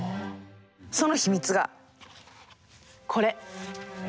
その秘密がこれ！